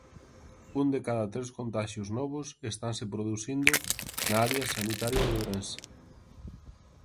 Un de cada tres contaxios novos estanse producindo na área sanitaria de Ourense.